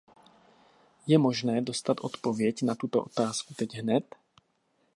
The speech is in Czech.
Je možné dostat odpověď na tuto otázku teď hned?